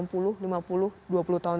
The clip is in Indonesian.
enam puluh lima puluh dua puluh tahun